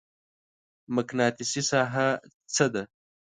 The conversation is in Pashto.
مقناطیسي ساحه څه ده؟